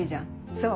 そう？